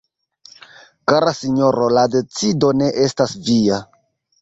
Kara Sinjoro, la decido ne estas via.